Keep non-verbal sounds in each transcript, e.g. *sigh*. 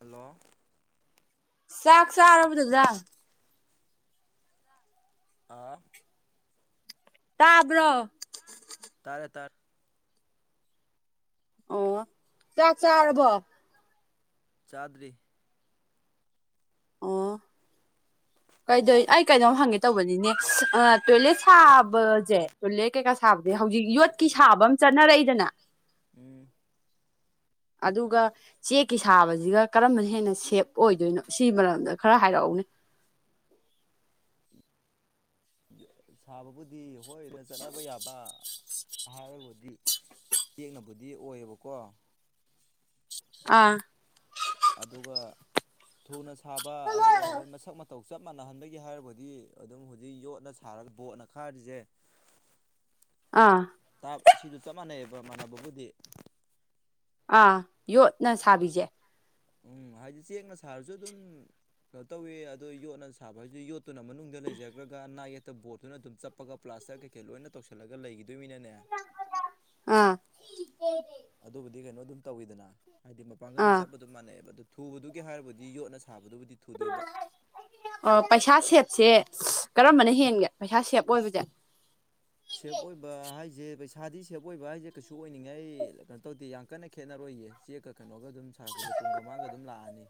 Hello ꯆꯥꯛ ꯆꯥꯔꯕꯣ ꯗꯗꯥ꯫ ꯑꯥ ꯇꯥꯕ꯭ꯔꯣ ꯇꯥꯕꯔꯣ ꯇꯥꯔꯦ ꯇꯥꯔꯦ ꯑꯣ ꯆꯥꯛ ꯆꯥꯔꯕꯣ ꯆꯥꯗꯔꯤ ꯑꯣ ꯀꯩꯗꯣꯏ ꯑꯩ ꯀꯩꯅꯣꯝ ꯍꯪꯒꯦ ꯇꯧꯕꯅꯤꯅꯦ ꯑꯁ ꯇꯣꯏꯂꯦꯠ ꯁꯥꯕꯖꯦ ꯇꯣꯏꯂꯦꯠ ꯀꯩꯀꯥ ꯁꯥꯕꯗꯤ ꯍꯧꯖꯤꯛ ꯌꯣꯠꯀꯤ ꯁꯥꯕ ꯃ ꯆꯠꯅꯔꯛꯏꯗꯅ ꯎꯝ ꯑꯗꯨꯒ ꯆꯦꯛꯀꯤ ꯁꯥꯕꯖꯤꯒ ꯀꯔꯝꯕꯅ ꯍꯦꯟꯅ ꯁꯦꯞ ꯑꯣꯏꯗꯣꯏꯅꯣ ꯁꯤ ꯃꯔꯝꯗ ꯈꯔ ꯍꯥꯏꯔꯛꯎꯅꯦ ꯌꯣ ꯁꯥꯕꯕꯨꯗꯤ ꯍꯣꯏ ꯑꯗꯨ ꯆꯠꯅꯕ ꯌꯥꯕ ꯍꯥꯏꯔꯕꯨꯗꯤ ꯆꯦꯛꯅꯕꯨꯗꯤ ꯑꯣꯏꯌꯦꯕꯀꯣ ꯑꯥ ꯑꯗꯨꯒ ꯊꯨꯅ ꯁꯥꯕ ꯑꯗꯨꯒ ꯍꯣꯏ ꯃꯁꯛ ꯃꯇꯧ ꯆꯞ ꯃꯥꯟꯅꯍꯟꯕꯒꯤ ꯍꯥꯏꯔꯕꯨꯗꯤ ꯑꯗꯨꯝ ꯍꯧꯖꯤꯛ ꯌꯣꯠꯅ ꯁꯥꯔꯒ ꯕꯣꯠꯅ ꯈꯥꯔꯤꯖꯦ ꯑꯥ ꯇꯥꯞ ꯁꯤꯗ ꯆꯞ ꯃꯥꯟꯅꯩꯑꯕ ꯃꯥꯟꯅꯕꯕꯨꯗꯤ ꯑꯥ ꯌꯣꯠꯅ ꯁꯥꯕꯤꯖꯦ ꯎꯝ ꯍꯥꯏꯗꯤ ꯆꯦꯡꯅ ꯁꯥꯔꯖꯨ ꯑꯗꯨꯝ ꯀꯩꯅꯣ ꯇꯧꯋꯤ ꯑꯗꯣ ꯌꯣꯠꯅ ꯁꯥꯕ ꯍꯥꯏꯖꯤꯗꯤ ꯌꯣꯠꯇꯨꯅ ꯃꯅꯨꯡꯗ ꯂꯩꯖꯒꯔꯒ ꯅꯥ ꯌꯦꯛꯇ ꯕꯣꯠꯇꯨ ꯑꯗꯨꯝ ꯆꯞ ꯄꯒ ꯄ꯭ꯂꯥꯁꯇꯔ ꯀꯩꯀꯩ ꯂꯣꯏꯅ ꯇꯧꯁꯤꯜꯂꯒ ꯂꯩꯒꯤꯗꯣꯏꯃꯤꯅꯅꯦ ꯑꯥ ꯑꯗꯨꯕꯨꯗꯤ ꯀꯩꯅꯣ ꯑꯗꯨꯝ ꯇꯧꯋꯤꯗꯅ ꯍꯥꯏꯗꯤ ꯃꯄꯥꯡꯒꯜꯕꯨ ꯑꯥ ꯆꯞ ꯑꯗꯨ ꯑꯗꯨꯝ ꯃꯥꯟꯅꯩꯑꯕ ꯑꯗꯨ ꯊꯨꯕꯗꯨꯒꯤ ꯍꯥꯏꯔꯕꯨꯗꯤ ꯌꯣꯠꯅ ꯁꯥꯕꯗꯨꯕꯨꯗꯤ ꯊꯨꯗꯣꯏꯕ ꯑꯣ ꯄꯩꯁꯥ ꯁꯦꯞꯁꯦ ꯀꯔꯝꯕꯅ ꯍꯦꯟꯒꯦ ꯄꯩꯁꯥ ꯁꯦꯞ ꯑꯣꯏꯕꯁꯦ ꯁꯦꯞ ꯑꯣꯏꯕ ꯍꯥꯏꯁꯦ ꯄꯩꯁꯥꯗꯤ ꯁꯦꯞ ꯑꯣꯏꯕ ꯍꯥꯏꯁꯦ ꯀꯩꯁꯨ ꯑꯣꯏꯅꯤꯡꯉꯥꯏ ꯑꯩ ꯀꯩꯅꯣ ꯇꯧꯗꯦ ꯌꯥꯝ ꯀꯟꯅ ꯈꯦꯠꯅꯔꯣꯏꯌꯦ ꯆꯦꯛꯀ ꯀꯩꯅꯣꯒ ꯑꯗꯨꯝ ꯁꯥꯔꯛꯄꯗ ꯇꯨꯡꯒ ꯃꯥꯡꯒ ꯑꯗꯨꯝ ꯂꯥꯛꯑꯅꯤ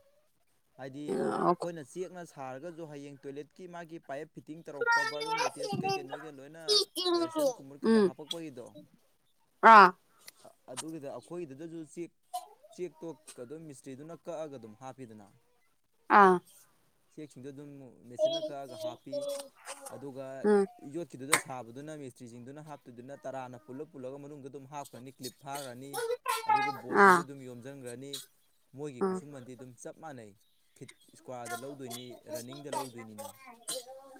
ꯍꯥꯏꯗꯤ ꯑꯩꯈꯣꯏꯅ ꯆꯦꯛꯅ ꯁꯥꯔꯒꯁꯨ ꯍꯌꯦꯡ ꯇꯣꯏꯂꯦꯠꯀꯤ ꯃꯥꯒꯤ ꯄꯥꯏꯞ ꯐꯤꯠꯇꯤꯡ ꯇꯧꯔꯛꯄ ꯕꯥꯠꯔꯨꯝ ꯑꯦꯇꯦꯁ ꯀꯩꯀꯩ ꯅꯣꯏꯒ ꯂꯣꯏꯅ ꯋꯦꯁꯇꯔꯟ ꯀꯨꯝꯃꯨꯠ ꯀꯩ ꯎꯝ ꯀꯩ ꯍꯥꯞꯄꯛ ꯄꯩꯗꯣ ꯑꯥ ꯑꯗꯨꯒꯤꯗ ꯑꯩꯈꯣꯏꯒꯤꯗꯨꯗꯁꯨ ꯆꯦꯛ ꯆꯦꯛ ꯇꯣ ꯑꯗꯨꯝ ꯃꯤꯁꯇ꯭ꯔꯤꯗꯨꯅ ꯀꯛꯑꯒ ꯑꯗꯨꯝ ꯍꯥꯞꯄꯤꯗꯅ ꯑꯥ ꯆꯦꯛꯁꯤꯡꯗꯣ ꯑꯗꯨꯝ ꯃꯦꯆꯤꯟꯅ ꯀꯛꯑꯒ ꯍꯥꯞꯄꯤ ꯑꯗꯨꯒ ꯎꯝ ꯌꯣꯠꯀꯤꯗꯨꯗ ꯁꯥꯕꯗꯨꯅ ꯃꯦꯁꯇ꯭ꯔꯤꯁꯤꯡꯗꯨꯅ ꯍꯥꯞꯇꯣꯏꯗꯨꯅ ꯇꯔꯥꯅ ꯄꯨꯜꯂ ꯄꯨꯜꯂꯒ ꯃꯅꯨꯡꯗ ꯑꯗꯨꯝ ꯍꯥꯞꯈ꯭ꯔꯅꯤ ꯀ꯭ꯂꯤꯞ ꯐꯥꯈ꯭ꯔꯅꯤ ꯑꯗꯨꯒ ꯑꯥ ꯕꯣꯠꯁꯤꯡꯗꯨ ꯑꯗꯨꯝ ꯌꯣꯝꯁꯤꯟꯈ꯭ꯔꯅꯤ ꯃꯣꯏꯒꯤ ꯎꯝ ꯈꯨꯠꯁꯨꯃꯟꯗꯤ ꯑꯗꯨꯝ ꯆꯞ ꯃꯥꯟꯅꯩ ꯐꯤꯠ ꯏꯁꯀ꯭ꯋꯥꯔꯗ ꯂꯧꯗꯣꯏꯅꯤ ꯔꯟꯅꯤꯡꯗ ꯂꯧꯗꯣꯏꯅꯤꯅ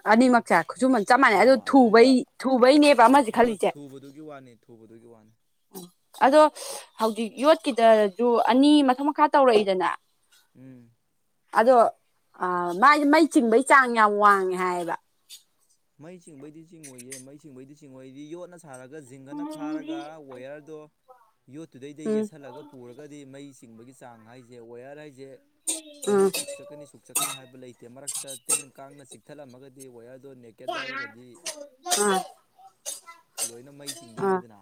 ꯑꯅꯤꯃꯛ ꯆꯥꯏ ꯈꯨꯠꯁꯨꯃꯟ ꯆꯞ ꯑ ꯃꯥꯟꯅꯩ ꯑꯗꯣ ꯑꯗꯨꯗꯩꯗ ꯊꯨꯕꯩ ꯊꯨꯕꯩꯅꯦꯕ ꯑꯃ ꯍꯣ ꯊꯨꯕꯗꯨꯒꯤ ꯋꯥꯅꯤ ꯊꯨꯕꯗꯨꯒꯤ ꯋꯥꯅꯤ ꯑꯗꯣ ꯍꯧꯖꯤꯛ ꯌꯣꯠꯀꯤꯗꯖꯨ ꯑꯅꯤ ꯃꯊꯛ ꯃꯈꯥ ꯇꯧꯔꯛꯏꯗꯅ ꯎꯝ ꯑꯗꯣ ꯑ ꯃꯥꯗꯤ ꯃꯩ ꯆꯤꯡꯕꯒꯤ ꯆꯥꯡ ꯌꯥꯝ ꯋꯥꯡꯉꯦ ꯍꯥꯏꯕ ꯃꯩ ꯆꯤꯡꯕꯩꯗꯤ ꯆꯤꯡꯉꯣꯏꯌꯦ ꯃꯩ ꯆꯤꯡꯕꯩꯗꯤ ꯆꯤꯡꯉꯣꯏꯗꯤ ꯌꯣꯠꯅ ꯁꯥꯔꯒ ꯖꯤꯡꯒꯅ ꯈꯥꯔꯒ ꯋꯌꯔꯗꯣ ꯌꯣꯠꯇꯨꯗꯩꯗ ꯎꯝ ꯌꯦꯠꯁꯜꯂꯒ ꯄꯨꯔꯒꯗꯤ ꯃꯩ ꯆꯤꯡꯕꯒꯤ ꯆꯥꯡ ꯍꯥꯏꯖꯦ ꯋꯥꯌꯔ ꯍꯥꯏꯖꯦ ꯆꯍꯤ ꯎꯝ ꯁꯨꯛ ꯆꯠꯀꯅꯤ ꯁꯨꯛꯆꯠꯀꯅꯤ ꯍꯥꯏꯕ ꯂꯩꯇꯦ ꯃꯔꯛꯇ ꯇꯤꯟ ꯀꯥꯡꯅ ꯆꯤꯛꯊꯠꯂꯝꯃꯒꯗꯤ ꯋꯥꯌꯔꯗꯣ ꯅꯦꯛ *unintelligible* ꯂꯣꯏꯅ ꯃꯩ ꯑꯥ ꯆꯤꯡꯗꯣꯏꯅꯤꯗꯅ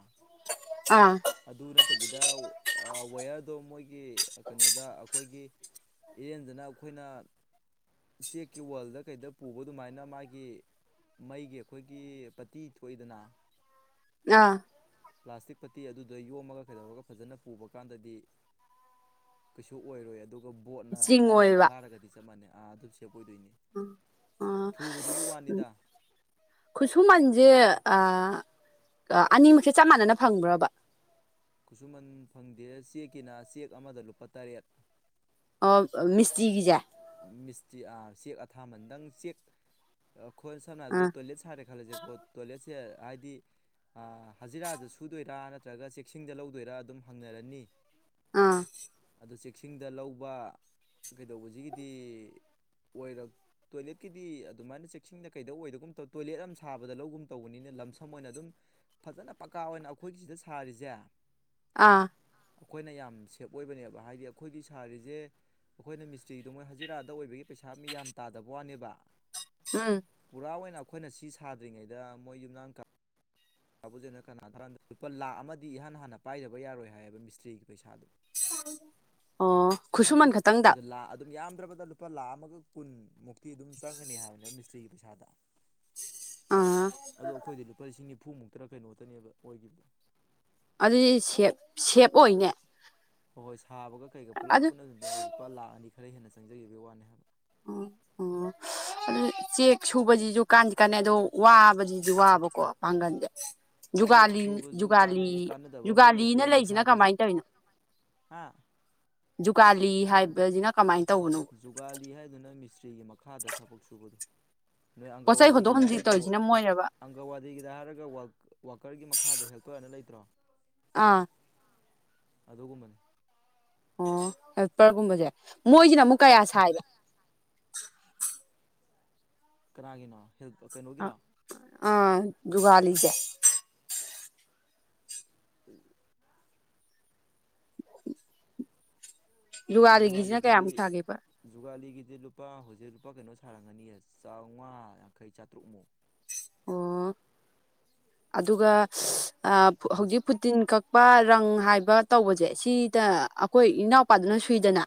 ꯑꯥ ꯑꯗꯨ ꯅꯠꯇꯕꯤꯗ ꯑ ꯋꯥꯌꯔꯗꯣ ꯃꯣꯏꯒꯤ ꯀꯩꯅꯣꯗ ꯑꯩꯈꯣꯏꯒꯤ ꯏꯔꯦꯟꯖꯅ ꯑꯩꯈꯣꯏꯅ ꯆꯦꯛꯀꯤ ꯋꯥꯜꯗ ꯀꯩꯗ ꯄꯨꯕ ꯑꯗꯨꯃꯥꯏꯅ ꯃꯥꯒꯤ ꯃꯩꯒꯤ ꯑꯩꯈꯣꯏꯒꯤ ꯄꯇꯤ ꯊꯣꯛꯏꯗꯅ *unintelligible* ꯄ꯭ꯂꯥꯁꯇꯤꯛ ꯄꯠꯇꯤ ꯑꯗꯨꯗ ꯌꯣꯝꯃꯒ ꯀꯩꯗꯧꯔꯒ ꯐꯖꯅ ꯄꯨꯕ ꯀꯥꯟꯗꯗꯤ ꯀꯩꯁꯨ ꯑꯣꯏꯔꯣꯏ ꯑꯗꯨꯒ ꯕꯣꯠꯅ ꯀꯩꯅ ꯆꯤꯡꯉꯣꯏꯕ ꯈꯥꯔꯒꯗꯤ ꯆꯞ ꯃꯥꯟꯅꯩ ꯑꯥ ꯑꯗꯨꯝ ꯁꯦꯞ ꯑꯣꯏꯗꯣꯏꯅꯤ ꯊꯨꯕꯗꯨꯒꯤ ꯋꯥꯅꯤꯗ *unintelligible* ꯈꯨꯠꯁꯨꯃꯟꯖꯦ ꯑ ꯑꯅꯤꯃꯛꯁꯦ ꯆꯞ ꯃꯥꯟꯅꯅ ꯐꯪꯕ꯭ꯔꯕ ꯈꯨꯠꯁꯨꯃꯟ ꯐꯪꯗꯦ ꯆꯦꯛꯀꯤꯅ ꯆꯦꯛ ꯑꯃꯗ ꯂꯨꯄꯥ ꯇꯔꯦꯠ ꯑꯣ ꯃꯤꯁꯇ꯭ꯔꯤꯒꯤꯖꯦ ꯎꯝ ꯃꯤꯁꯇ꯭ꯔꯤ ꯑꯥ ꯆꯦꯛ ꯑꯊꯥꯃꯟ ꯗꯪ ꯆꯦꯛ ꯑꯩꯈꯣꯏ ꯁꯝꯅ ꯍꯥꯏꯔꯕꯗ ꯑꯥ ꯇꯣꯏꯂꯦꯠ ꯁꯥꯔꯦ ꯈꯜꯂꯖꯦꯀꯣ ꯇꯣꯏꯂꯦꯠꯁꯦ ꯍꯥꯏꯗꯤ ꯍꯖꯤꯔꯥꯗ ꯁꯨꯗꯣꯏꯔꯥ ꯅꯠꯇ꯭ꯔꯒ ꯆꯦꯛꯁꯤꯡꯗ ꯂꯧꯗꯣꯏꯔꯥ ꯑꯗꯨꯝ ꯍꯪꯅꯔꯅꯤ ꯑꯥ ꯑꯗꯣ ꯆꯦꯛꯁꯤꯡꯗ ꯂꯧꯕ ꯀꯩꯗꯧꯕꯁꯤꯒꯤꯗꯤ ꯑꯣꯏꯔꯛ ꯇꯣꯏꯂꯦꯠꯀꯤꯗꯤ ꯑꯗꯨꯃꯥꯏꯅ ꯆꯦꯛꯁꯤꯡꯗ ꯀꯩꯗꯧ ꯑꯣꯏꯗꯒꯨꯝ ꯇꯧꯕꯅꯦ ꯇꯣꯏꯂꯦꯠ ꯑꯃ ꯁꯥꯕꯗ ꯂꯧꯒꯨꯝ ꯇꯧꯕꯅꯤꯅꯦ ꯂꯝꯁꯝ ꯑꯣꯏꯅ ꯑꯗꯨꯝ ꯐꯖꯅ ꯄꯀꯥ ꯑꯣꯏꯅ ꯑꯩꯈꯣꯏꯒꯤ ꯁꯤꯗ ꯁꯥꯔꯤꯖꯦ ꯑꯥ ꯑꯩꯈꯣꯏꯅ ꯌꯥꯝ ꯁꯦꯞ ꯑꯣꯏꯕꯅꯦꯕ ꯍꯥꯏꯗꯤ ꯑꯩꯈꯣꯏꯒꯤ ꯁꯥꯔꯤꯖꯦ ꯑꯩꯈꯣꯏꯅ ꯃꯤꯁꯇ꯭ꯔꯤ ꯑꯗꯨ ꯃꯣꯏ ꯍꯖꯤꯔꯥꯗ ꯑꯣꯏꯕꯒꯤ ꯄꯩꯁꯥ ꯃꯤ ꯌꯥꯝ ꯇꯥꯗꯕ ꯋꯥꯅꯦꯕ ꯎꯝ ꯄꯨꯔꯥ ꯑꯣꯏꯅ ꯑꯩꯈꯣꯏꯅ ꯁꯤ ꯁꯥꯗ꯭ꯔꯤꯉꯩꯗ ꯃꯣꯏ ꯌꯨꯝꯅꯥꯝ ꯀꯥ ꯕꯨꯖꯦꯅ ꯀꯅꯥ ꯂꯨꯄꯥ ꯂꯥꯛ ꯑꯃꯗꯤ ꯏꯍꯥꯟ ꯍꯥꯟꯅ ꯄꯥꯏꯗꯕ ꯌꯥꯔꯣꯏ ꯍꯥꯏꯌꯦꯕ ꯃꯤꯁꯇ꯭ꯔꯤꯒꯤ ꯄꯩꯁꯥꯗꯨ ꯑꯣ ꯈꯨꯨꯁꯨꯃꯟ ꯈꯠ ꯑꯗꯣ ꯂꯥꯛ ꯑꯗꯨꯝ ꯌꯥꯝꯗ꯭ꯔꯕꯗ ꯂꯨꯄꯥ ꯂꯥꯈ ꯑꯃꯒ ꯀꯨꯟꯃꯨꯛ ꯇꯤ ꯑꯗꯨꯝ ꯆꯪꯉꯅꯤ ꯍꯥꯏꯕꯅꯦ ꯃꯤꯁꯇ꯭ꯔꯤꯒꯤ ꯄꯩꯁꯥꯗ ꯑꯥ ꯑꯗꯣ ꯑꯩꯈꯣꯏꯗꯤ ꯂꯨꯄꯥ ꯂꯤꯁꯤꯡ ꯅꯤꯐꯨꯃꯨꯛꯇꯔ ꯀꯩꯅꯣꯇꯅꯦꯕ ꯑꯣꯏꯒꯤꯕꯗꯣ ꯑꯗꯨꯗꯤ ꯁꯦꯞ ꯁꯦꯞ ꯑꯣꯏꯅꯦ ꯍꯣꯏ ꯍꯣꯏ ꯁꯥꯕꯒ ꯀꯩꯒ ꯄꯨꯜꯂꯞ ꯑꯗꯨ ꯄꯨꯟꯅꯗꯨꯗ ꯂꯨꯄꯥ ꯂꯥꯛ ꯑꯅꯤ ꯈꯔ ꯍꯦꯟꯅ ꯆꯪꯖꯒꯤꯕꯩ ꯋꯥꯅꯤ ꯍꯥꯏꯕ ꯑꯣ ꯑꯣ ꯑꯗꯨ ꯆꯦꯛ ꯁꯨꯕꯖꯤꯖꯨ ꯀꯥꯟꯗꯤ ꯀꯥꯟꯅꯩ ꯑꯗꯣ ꯋꯥꯕꯗꯤꯗꯤ ꯋꯥꯕꯀꯣ ꯄꯥꯡꯒꯜꯖꯦ ꯆꯦꯛ ꯖꯨꯒꯥꯂꯤ ꯁꯨꯕꯁꯨ ꯖꯨꯒꯥꯂꯤ ꯀꯥꯟꯅꯩ ꯀꯥꯟꯅꯗꯕ ꯑꯝꯐꯥꯎ ꯖꯨꯒꯥꯂꯤꯑꯅ ꯂꯩꯖꯤꯅ ꯀꯃꯥꯏꯅ ꯇꯧꯏꯅꯣ ꯍꯥꯥ ꯖꯨꯒꯥꯥꯂꯤ ꯍꯥꯏꯕꯖꯤꯅ ꯀꯃꯥꯏꯟ ꯇꯧꯕꯅꯣ ꯖꯨꯒꯥꯂꯤ ꯍꯥꯏꯗꯨꯅ ꯃꯤꯁꯇ꯭ꯔꯤꯒꯤ ꯃꯈꯥꯗ ꯊꯕꯛ ꯁꯨꯕꯗꯨ ꯅꯣꯏ ꯄꯣꯠ ꯆꯩ ꯍꯣꯟꯗꯣꯛ ꯑꯪꯒꯜꯋꯥꯗꯤꯒꯤꯗ ꯍꯣꯟꯖꯤꯟ ꯍꯥꯏꯔꯒ ꯇꯧꯔꯤꯁꯤꯅ *unintelligible* ꯃꯣꯏꯔꯕ ꯑꯪꯒꯜꯋꯥꯗꯤꯒꯤꯗ ꯍꯥꯏꯔꯒ ꯋꯥꯛ ꯋꯥꯀꯔꯒꯤ ꯃꯈꯥꯗ ꯍꯦꯜꯄꯔ ꯑꯅ ꯂꯩꯇ꯭ꯔꯣ ꯑꯥ ꯑꯗꯨꯒꯨꯝꯕ ꯑꯣ ꯍꯦꯁꯇꯦꯜ ꯒꯨꯝꯕꯁꯦ ꯃꯣꯏꯁꯤꯅ ꯑꯃꯨꯛ ꯀꯌꯥ ꯁꯥꯏꯕ ꯀꯅꯥꯒꯤꯅꯣ ꯍꯤꯜ ꯀꯩꯅꯣꯒꯤꯔꯣ ꯑ ꯖꯨꯒꯂꯤꯁꯦ ꯎꯝ ꯖꯨꯒꯥꯂꯤ ꯖꯨꯒꯥꯂꯤꯒꯤꯁꯤꯅ ꯒꯤꯗꯤ ꯀꯌꯥꯃꯨꯛ ꯁꯥꯒꯦꯕ ꯖꯨꯒꯥꯂꯤꯒꯤꯗꯤ ꯂꯨꯄꯥ ꯍꯨꯖꯤꯛ ꯂꯨꯄꯥ ꯀꯩꯅꯣ ꯁꯥꯔꯝꯒꯅꯤꯌꯦ ꯆꯥꯝꯃꯉꯥ ꯌꯥꯡꯈꯩ ꯆꯥꯇ꯭ꯔꯨꯛꯃꯨ ꯑꯣ ꯑꯗꯨꯒ ꯑꯥ ꯃꯤꯁ ꯍꯧꯖꯤꯛ ꯇꯤꯟ ꯀꯛꯄ ꯔꯪ ꯍꯥꯏꯕ ꯇꯧꯕꯖꯦ ꯁꯤꯗ ꯑꯩꯈꯣꯏ ꯏꯅꯥꯎ ꯄꯥꯗꯨꯅ ꯁꯨꯏꯗꯅ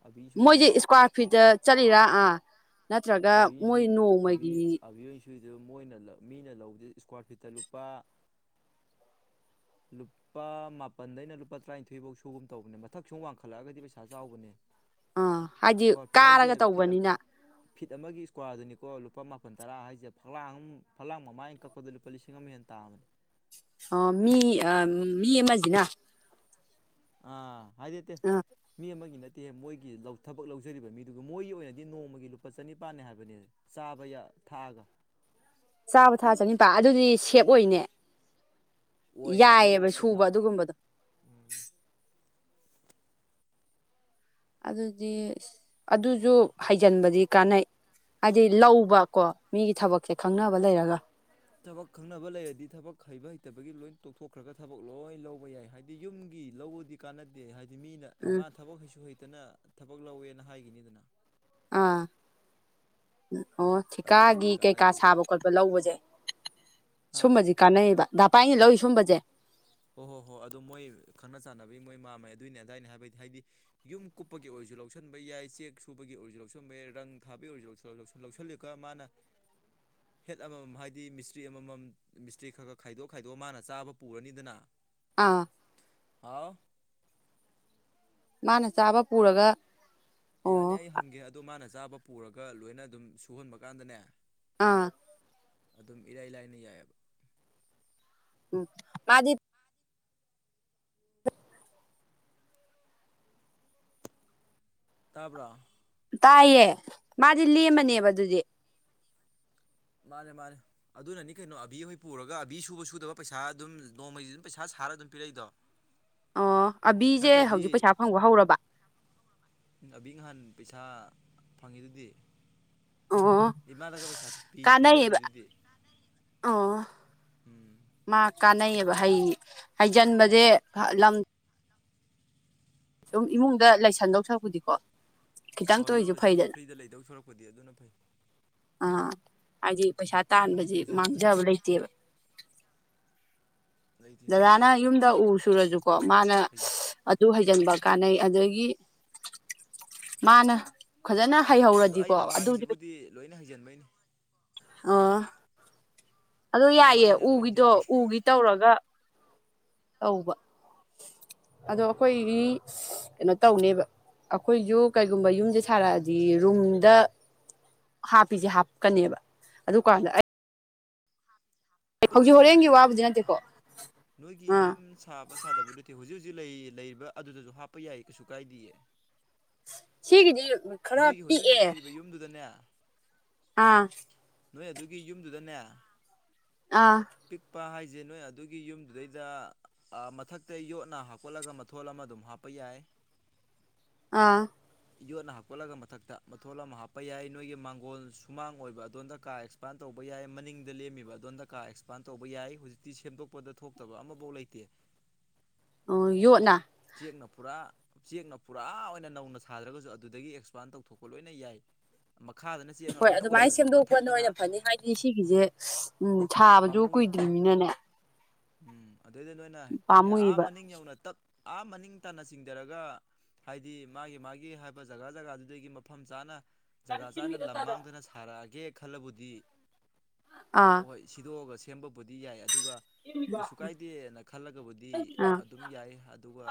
ꯑꯕꯤ ꯃꯣꯏꯖꯦ ꯁꯨꯏꯗ꯭ꯔꯣ ꯏꯁꯀ꯭ꯋꯥꯔ ꯐꯤꯠꯇ ꯆꯠꯂꯤꯔꯥ ꯑꯥ ꯅꯠꯇ꯭ꯔꯒ ꯃꯣꯏ ꯅꯣꯡꯃꯒꯤ ꯃꯤ ꯁꯨꯏꯗ ꯃꯣꯏꯅ ꯃꯤꯅ ꯂꯧꯕꯗ ꯏꯁꯀ꯭ꯋꯥꯔ ꯐꯤꯠꯇ ꯂꯨꯄꯥ ꯂꯨꯄꯥ ꯃꯥꯄꯜꯗꯩꯅ ꯂꯨꯄꯥ ꯇꯔꯥꯏꯟꯊꯣꯏꯕꯧ ꯁꯨꯒꯨꯝ ꯇꯧꯕꯅꯦ ꯃꯊꯛ ꯁꯨꯝ ꯋꯥꯡꯈꯠꯂꯛꯑꯒꯗꯤ ꯄꯩꯁꯥ ꯆꯥꯎꯕꯅꯦ ꯑꯥ ꯍꯥꯏꯗꯤ ꯏꯁꯀ꯭ꯋꯥꯔ ꯐꯤꯠ ꯍꯥꯏꯁꯦ ꯀꯥꯔꯒ ꯐꯤꯠ ꯇꯧꯕꯅꯤꯅ ꯐꯤꯠ ꯑꯃꯒꯤ ꯏꯁꯀ꯭ꯋꯥꯔꯗꯨꯅꯤꯀꯣ ꯂꯨꯄꯥ ꯃꯥꯄꯜ ꯇꯔꯥ ꯍꯥꯏꯁꯦ ꯐꯛꯂꯥꯡ ꯐꯂꯥꯡ ꯃꯃꯥꯏꯀꯛ ꯄꯥꯗ ꯂꯨꯄꯥ ꯂꯤꯁꯤꯡ ꯑꯃ ꯍꯦꯟ ꯇꯥꯕꯅꯤ ꯑ ꯃꯤ ꯃꯤ ꯑꯃꯥꯖꯤꯅ ꯑꯥ ꯍꯥꯏꯗꯤꯇꯦ ꯑꯥ ꯃꯤ ꯑꯃꯒꯤ ꯅꯠꯇꯦ ꯃꯣꯏꯒꯤ ꯂꯧ ꯊꯕꯛ ꯂꯧꯖꯔꯤꯕ ꯃꯤꯗꯨꯒ ꯃꯣꯏꯒꯤ ꯑꯣꯏꯅꯗꯤ ꯅꯣꯡꯃꯒꯤ ꯂꯨꯄꯥ ꯆꯅꯤꯄꯥꯥꯟꯅꯦ ꯍꯥꯏꯕꯅꯤ ꯆꯥꯕ ꯌꯥ ꯊꯥꯛꯑꯒ ꯆꯥꯕ ꯊꯥꯛꯑ ꯆꯅꯤꯄꯥ ꯑꯗꯨꯗꯤ ꯁꯦꯞ ꯑꯣꯏꯅꯦ ꯌꯥꯏꯌꯦꯕ ꯁꯨꯕ ꯑꯗꯨꯒꯨꯝꯕꯗꯣ ꯎꯝ ꯑꯗꯨꯗꯤ ꯑꯗꯨꯖꯨ ꯍꯩꯖꯤꯟꯕꯗꯤ ꯀꯥꯟꯅꯩ ꯍꯥꯏꯗꯤ ꯂꯧꯕꯀꯣ ꯃꯤꯒꯤ ꯊꯕꯛꯁꯦ ꯈꯪꯅꯕ ꯂꯩꯔꯒ ꯊꯕꯛ ꯈꯪꯅꯕ ꯂꯩꯔꯗꯤ ꯊꯕꯛ ꯍꯩꯕ ꯍꯩꯇꯕꯒꯤ ꯂꯣꯏ ꯇꯣꯛꯊꯣꯛꯈ꯭ꯔꯒ ꯊꯕꯛ ꯂꯣꯏ ꯂꯧꯕ ꯌꯥꯏ ꯍꯥꯏꯗꯤ ꯌꯨꯝꯒꯤ ꯂꯧꯕꯗꯤ ꯀꯥꯟꯅꯗꯦ ꯍꯥꯏꯗꯤ ꯃꯤꯅ ꯎꯝ ꯃꯥ ꯊꯕꯛ ꯍꯩꯁꯨ ꯍꯩꯇꯅ ꯊꯕꯛ ꯂꯧꯋꯦꯅ ꯍꯥꯏꯒꯤꯅꯤꯗꯅ ꯑꯥ ꯑꯣ ꯑꯗꯨꯒꯤꯗꯤ ꯊꯤꯀꯥꯒꯤ ꯀꯩꯀꯥ ꯀꯥꯟꯅꯗꯦꯕ ꯁꯥꯕ ꯈꯣꯠꯄ ꯂꯧꯕꯁꯦ ꯍꯥ ꯁꯨꯝꯕꯁꯤ ꯀꯥꯟꯅꯩꯌꯦꯕ ꯗꯥ ꯄꯥꯏꯅ ꯂꯧꯔꯤ ꯁꯨꯝꯕꯁꯦ ꯍꯣ ꯍꯣ ꯍꯣ ꯑꯗꯨ ꯃꯣꯏ ꯈꯪꯅ ꯆꯥꯟꯅꯕꯒꯤ ꯃꯣꯏ ꯃꯝꯃꯩ ꯑꯗꯨꯏꯅꯦ ꯑꯗꯥꯏꯅꯦ ꯍꯥꯏꯕꯩꯗꯤ ꯍꯥꯏꯗꯤ ꯌꯨꯝ ꯀꯨꯞꯄꯒꯤ ꯑꯣꯏꯔꯁꯨ ꯂꯧꯁꯤꯟꯕ ꯌꯥꯏ ꯆꯦꯛ ꯁꯨꯕꯒꯤ ꯑꯣꯏꯔꯁꯨ ꯂꯧꯁꯤꯟꯕ ꯌꯥꯏ ꯔꯪ ꯊꯥꯕꯒꯤ ꯑꯣꯏꯔꯁꯨ *unintelligible* ꯂꯧꯁꯜꯂꯤꯒ ꯃꯥꯅ *inaudible* ꯍꯦꯠ ꯑꯃꯃꯝ ꯍꯥꯏꯗꯤ ꯃꯤꯁꯇ꯭ꯔꯤ ꯑꯃꯃꯝ ꯃꯤꯁꯇ꯭ꯔꯤ ꯈꯒ ꯈꯥꯏꯗꯣꯛꯑ ꯈꯥꯏꯗꯣꯛꯑ ꯃꯥꯅ ꯆꯥꯕ ꯄꯨꯔꯅꯤꯗꯅ ꯑꯥ ꯍꯥꯥꯎ ꯃꯥꯅ ꯆꯥꯕ ꯄꯨꯔꯒ ꯌꯥꯅꯤ ꯑꯣ ꯑꯩ ꯍꯪꯒꯦ ꯑꯗꯨ ꯃꯥꯅ ꯆꯥꯕ ꯄꯨꯔꯒ ꯂꯣꯏꯅ ꯑꯗꯨꯝ ꯁꯨꯍꯟꯕ ꯀꯥꯟꯗꯅꯦ ꯑꯥ ꯑꯗꯨꯝ ꯏꯔꯥꯏ ꯂꯥꯏꯅ ꯌꯥꯏꯌꯦꯕ꯫ ꯎꯝ ꯃꯥꯗꯤ ꯇꯥꯕ꯭ꯔꯥ ꯇꯥꯏꯌꯦ ꯃꯥꯗꯤ ꯂꯦꯝꯃꯅꯦꯕ ꯑꯗꯨꯗꯤ꯫ ꯃꯥꯟꯅꯦ ꯃꯥꯟꯅꯦ꯫ ꯑꯗꯨꯅꯅꯤ ꯀꯩꯅꯣ ꯑꯕꯤꯍꯣꯏ ꯄꯨꯔꯒ ꯑꯕꯤ ꯁꯨꯕ ꯁꯨꯗꯕ ꯄꯩꯁꯥ ꯑꯗꯨꯝ ꯅꯣꯡꯃꯩꯒꯤ ꯑꯗꯨꯝ ꯄꯩꯁꯥ ꯁꯥꯔꯒ ꯑꯗꯨꯝ ꯄꯤꯔꯛꯏꯗꯣ꯫ ꯑꯣ ꯑꯕꯤꯖꯦ ꯅꯠꯇ꯭ꯔꯗꯤ ꯍꯧꯖꯤꯛ ꯄꯩꯁꯥ ꯐꯪꯕ ꯍꯧꯔꯕ꯫ ꯑꯕꯤ ꯉꯍꯥꯟ ꯄꯩꯁꯥ ꯐꯪꯉꯤꯗꯨꯗꯤ꯫ ꯑꯣ ꯏꯃꯥꯗꯒ ꯄꯩꯁꯥ ꯄꯤ ꯀꯥꯟꯅꯩꯌꯦꯕ ꯄꯤꯖꯔꯝꯃꯤꯗꯨꯗꯤ ꯑꯣ ꯎꯝ ꯃꯥ ꯀꯥꯟꯅꯩꯌꯦꯕ ꯕꯍꯩ ꯍꯩꯖꯤꯟꯕꯖꯦ ꯈꯥ ꯂꯝ ꯁꯨꯝ ꯏꯃꯨꯡꯗ ꯂꯩꯁꯟꯗꯧ ꯁꯔꯄꯨꯗꯤꯀꯣ꯫ ꯍꯣꯏ ꯌꯨꯝꯗ ꯁꯨꯝ ꯐ꯭ꯔꯤꯗ ꯂꯩꯗꯧ ꯁꯔꯨꯛꯄꯨꯗꯤ ꯑꯗꯨꯅ ꯐꯩ꯫ ꯑꯥ ꯍꯥꯏꯗꯤ ꯄꯩꯁꯥ ꯇꯥꯟꯕꯖꯂ ꯍꯩꯖꯟ ꯃꯥꯡꯖꯕ ꯂꯩꯇꯦꯕ꯫ ꯂꯩꯇꯦ ꯄꯩꯁꯥ ꯗꯗꯥꯅ ꯌꯨꯝꯗ ꯎ ꯁꯨꯔꯁꯨꯀꯣ ꯃꯥꯅ ꯍꯩꯖ ꯑꯗꯨ ꯍꯩꯖꯟꯕ ꯀꯥꯟꯅꯩ ꯑꯗꯒꯤ ꯃꯥꯅ ꯐꯖꯅ ꯑꯗꯣ ꯍꯩꯍꯧꯔꯗꯤꯀꯣ ꯑꯩꯅ ꯑꯗꯨꯗꯤ ꯄꯩ ꯃꯥꯡꯉꯤꯁꯤꯕꯨꯗꯤ ꯂꯣꯏꯅ ꯍꯩꯖꯤꯟꯕꯩꯅꯤ ꯑꯣ ꯑꯗꯨ ꯑꯩꯅ ꯌꯥꯏꯌꯦ ꯃꯥꯡꯉꯤꯁꯤꯅ ꯂꯣꯏ ꯎꯒꯤꯗꯣ ꯍꯩꯖꯟꯕꯒꯤ ꯎꯒꯤ ꯇꯧꯔꯒ ꯇꯧꯕ ꯑꯗꯣ ꯑꯈꯣꯏꯒꯤ ꯀꯩꯅꯣ ꯇꯧꯅꯤꯕ ꯑꯈꯣꯏꯁꯨ ꯀꯩꯒꯨꯝꯕ ꯌꯨꯝꯖꯦ ꯁꯥꯔꯛꯑꯗꯤ ꯔꯨꯝꯗ ꯍꯥꯞꯄꯤꯖꯦ ꯍꯥꯞꯀꯅꯦꯕ ꯑꯗꯨꯀꯥꯟꯗ ꯑꯩ ꯍꯧꯖꯤꯛ ꯅꯣꯏꯒꯤ ꯍꯣꯔꯦꯟꯒꯤ ꯋꯥꯕꯨꯗꯤ ꯅꯠꯇꯦꯀꯣ ꯑ-ꯅꯣꯏꯒꯤ ꯑꯥ ꯌꯨꯝ ꯁꯥꯕ ꯁꯥꯗꯕ ꯅꯠꯇꯦ ꯍꯨꯖꯤꯛ ꯍꯨꯖꯤꯛ ꯂꯩ-ꯂꯩꯔꯤꯕ ꯑꯗꯨꯗꯖꯨ ꯍꯥꯞꯄ ꯌꯥꯏ ꯀꯩꯁꯨ ꯀꯥꯏꯗꯤꯌꯦ꯫ ꯁꯤꯒꯤꯗꯤ ꯃ ꯅꯣꯏꯒꯤ ꯍꯨꯖꯤꯛ ꯍꯨꯖꯤꯛ ꯂꯩꯔꯤꯕ ꯌꯨꯝꯗꯨꯗꯅꯦ ꯑꯥ ꯅꯣꯏ ꯑꯗꯨꯒꯤ ꯌꯨꯝꯗꯨꯗꯅꯦ ꯑꯥ ꯄꯤꯛꯄ ꯍꯥꯏꯖꯦ ꯅꯣꯏ ꯑꯗꯨꯒꯤ ꯌꯨꯝꯗꯨꯗꯩꯗ ꯑ ꯃꯊꯛꯇ ꯌꯣꯠꯅ ꯍꯥꯞꯀꯠꯂꯒ ꯃꯊꯣꯜ ꯑꯃ ꯑꯗꯨꯝ ꯍꯥꯞꯄ ꯌꯥꯏ꯫ ꯑꯥ ꯌꯣꯠꯅ ꯍꯥꯞ ꯀꯠꯂꯒ ꯃꯊꯛꯇ ꯃꯊꯣꯜ ꯑꯃ ꯍꯥꯞꯄ ꯌꯥꯏ ꯅꯣꯏꯒꯤ ꯃꯥꯡꯒꯣꯜ ꯁꯨꯃꯥꯡ ꯑꯣꯏꯕ ꯑꯗꯣꯝꯗ ꯀꯥ ꯑꯦꯛꯁ ꯄꯥꯟ ꯇꯧꯕ ꯌꯥꯏ ꯃꯅꯤꯡꯗ ꯂꯦꯝꯃꯤꯕ ꯑꯗꯣꯟꯗ ꯀꯥ ꯑꯦꯛꯁꯄꯥꯟ ꯇꯧꯕ ꯌꯥꯏ ꯍꯨꯖꯤꯛꯇꯤ ꯁꯦꯝꯗꯣꯛꯄꯗ ꯊꯣꯛꯇꯕ ꯑꯃꯕꯣꯛ ꯂꯩꯇꯦ꯫ ꯑꯣ ꯌꯣꯠꯅ ꯆꯦꯛꯅ ꯄꯨꯔꯥ ꯆꯦꯛꯅ ꯄꯨꯔꯥ ꯑꯣꯏꯅ ꯅꯧꯅ ꯁꯥꯗ꯭ꯔꯒꯁꯨ ꯑꯗꯨꯗꯒꯤ ꯑꯦ ꯑꯦꯛꯁꯄꯥꯟ ꯇꯧꯊꯣꯛꯄ ꯂꯣꯏꯅ ꯌꯥꯏ꯫ ꯃꯈꯥꯗꯅ ꯆꯦ ꯍꯣꯏ ꯑꯗꯨꯃꯥꯏꯅ ꯁꯦꯝꯗꯣꯛꯄꯅ ꯑꯣꯏꯅ ꯐꯅꯤ ꯍꯥꯏꯗꯤ ꯁꯤꯒꯤꯖꯦ ꯎꯝ ꯁꯥꯕꯖꯨ ꯄꯥꯝꯃꯨꯏ ꯀꯨꯏꯗ꯭ꯔꯤꯕꯅꯤꯅꯅꯦ ꯎꯝ ꯑꯗꯩꯗ ꯅꯣꯏꯅ ꯑꯦ ꯑꯥ ꯄꯥꯝꯃꯨꯏꯕ ꯃꯅꯤꯡ ꯌꯧꯅ ꯇꯞ ꯑꯥ ꯃꯅꯤꯡ ꯇꯥꯟꯅ ꯆꯤꯡꯗꯔꯒ ꯍꯥꯏꯗꯤ ꯃꯥꯒꯤ ꯃꯥꯒꯤ ꯍꯥꯏꯕ ꯖꯒꯥ ꯖꯒꯥꯗꯨꯗꯒꯤ ꯃꯐꯝ ꯆꯥꯅ ꯖꯒꯥ ꯆꯥꯅ ꯂꯝ ꯃꯥꯡꯗꯅ ꯁꯥꯔꯛꯑꯒꯦ ꯈꯜꯂꯕꯨꯗꯤ ꯑꯥ ꯍꯣꯏ ꯁꯤꯗꯣꯛꯑꯒ ꯁꯦꯝꯕꯕꯨꯗꯤ ꯌꯥꯏ ꯑꯗꯨꯒ ꯀꯩꯁꯨ ꯀꯥꯏꯗꯦꯅ ꯈꯜꯂꯒꯕꯨꯗꯤ ꯑꯥ ꯑꯗꯨꯝ ꯌꯥꯏ ꯑꯗꯨꯒ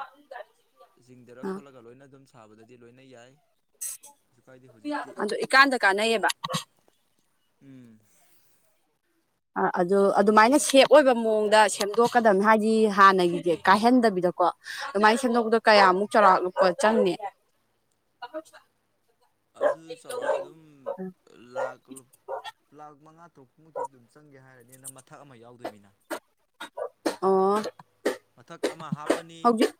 ꯆꯤꯡꯊꯔ ꯑꯥ ꯈꯣꯠꯂꯒ ꯂꯣꯏꯅ ꯑꯗꯨꯝ ꯁꯥꯕꯗꯗꯤ ꯂꯣꯏꯅ ꯌꯥꯏ ꯀꯩꯁꯨ ꯀꯥꯏꯗꯦ ꯍꯧꯖꯤꯛꯇꯤ ꯑꯗꯨ ꯏꯀꯥꯟꯗ ꯀꯥꯟꯅꯩꯌꯦꯕ ꯎꯝ ꯑ ꯑꯗꯨ ꯑꯗꯨꯃꯥꯏꯅ ꯁꯦꯞ ꯑꯣꯏꯕ ꯃꯑꯣꯡꯗ ꯁꯦꯝꯗꯣꯛꯀꯗꯝꯕꯅꯤ ꯍꯥꯏꯗꯤ ꯍꯥꯟꯅꯒꯤꯗꯤ ꯀꯥꯏꯍꯟꯗꯕꯤꯗꯀꯣ ꯑꯗꯨꯃꯥꯏꯅ ꯁꯦꯝꯗꯣꯛꯄꯗ ꯎꯝ ꯀꯌꯥꯃꯨꯛ ꯆꯥꯎꯔꯥꯛ ꯄ ꯆꯪꯅꯤ ꯑꯗꯨ ꯆꯥꯎꯔꯥꯛꯅ ꯑꯗꯨꯝ ꯂꯥꯛꯀ ꯂꯥꯛ ꯃꯉꯥ ꯇꯔꯨꯛꯃꯨꯛꯇꯤ ꯑꯗꯨꯝ ꯆꯪꯒꯦ ꯍꯥꯏꯔꯅꯤꯅ ꯃꯊꯛ ꯑꯃ ꯌꯥꯎꯗꯣꯏꯃꯤꯅ ꯑꯣ ꯃꯊꯛ ꯑꯃ ꯍꯥꯞꯄꯅꯤ ꯍꯧꯖꯤꯛ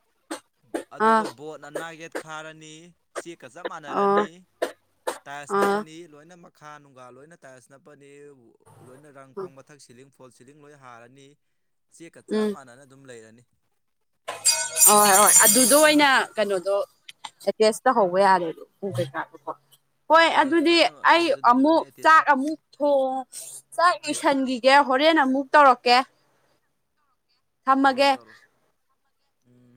ꯑꯥ ꯑꯗꯨꯒ ꯕꯣꯠꯅ ꯅꯥꯒꯦꯠ ꯈꯥꯔꯅꯤ ꯁꯤꯒ ꯆꯞ ꯑꯣ ꯃꯥꯟꯅꯔꯅꯤ ꯇꯥꯏꯜꯁ ꯑꯥ ꯅꯞꯄꯅꯤ ꯂꯣꯏꯅ ꯃꯈꯥ ꯅꯨꯡꯒꯥꯥ ꯂꯣꯏꯅ ꯇꯥꯏꯜꯁ ꯅꯞꯄꯅꯤ ꯂꯣꯏꯅ ꯔꯪ ꯄꯪꯕ ꯃꯊꯛ ꯁꯤꯂꯤꯡ ꯐꯣꯜ ꯁꯤꯂꯤꯡ ꯂꯣꯏ ꯍꯥꯔꯅꯤ ꯆꯦꯛꯀ ꯆꯞ ꯃꯥꯟꯅꯅ ꯑꯗꯨꯝ ꯂꯩꯔꯅꯤ ꯍ ꯍꯣꯏ ꯑꯗꯨꯗꯣ ꯑꯣꯏꯅ ꯀꯩꯅꯣꯗꯣ ꯑꯦꯗꯖꯁ ꯇꯧꯍꯧꯕ ꯌꯥꯔꯦꯗꯣ ꯎ ꯀꯩꯀꯥꯗꯣ ꯍꯣꯏ ꯑꯗꯨꯗ ꯑꯗꯨꯗꯤ ꯂꯣꯏꯅ ꯑꯩ ꯑꯗꯨꯗꯗꯨꯗꯤ ꯂꯣꯏꯅ ꯑꯃꯨꯛ ꯑꯦꯇꯦꯁ ꯆꯥꯛ ꯑꯃꯨꯛ ꯊꯣꯡ ꯆꯥꯛ ꯌꯨꯁꯟꯈꯤꯒꯦ ꯍꯣꯔꯦꯟ ꯑꯃꯨꯛ ꯇꯧꯔꯛꯀꯦ ꯇꯧꯔꯣ ꯊꯝꯃꯒꯦ ꯇꯧꯔꯣ ꯎꯝ